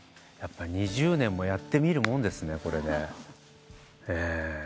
やっぱ２０年もやってみるもんですね。